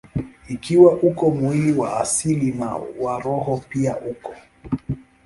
Ikiwa uko mwili wa asili, na wa roho pia uko.